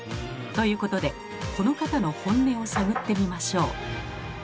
ということでこの方の本音を探ってみましょう。